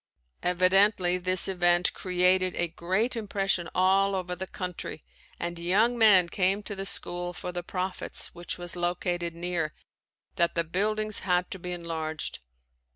Evidently this event created a great impression all over the country and young men came to the school for the prophets which was located near, that the buildings had to be enlarged.